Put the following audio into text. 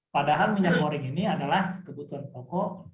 padahal minyak goreng ini adalah kebutuhan pokok